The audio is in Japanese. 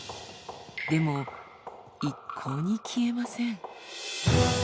でも一向に消えません。